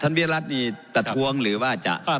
วิรัตินี่ประท้วงหรือว่าจะ